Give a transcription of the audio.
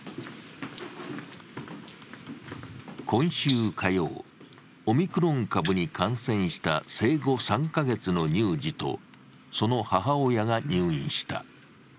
今週火曜、オミクロン株に感染した生後３カ月の乳児とその母親が入院した。